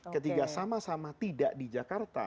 ketika sama sama tidak di jakarta